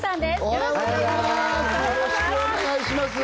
よろしくお願いします